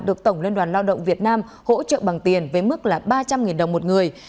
được tổng liên đoàn lao động việt nam hỗ trợ bằng tiền với mức là ba trăm linh đồng một người